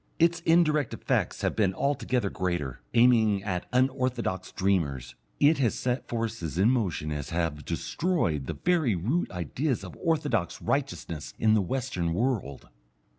Its indirect effects have been altogether greater. Aiming at unorthodox dreamers, it has set such forces in motion as have destroyed the very root ideas of orthodox righteousness in the western world.